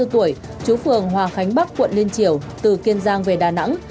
hai mươi bốn tuổi chú phường hòa khánh bắc quận liên triểu từ kiên giang về đà nẵng